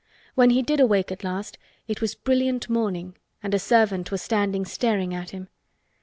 When he did awake at last it was brilliant morning and a servant was standing staring at him.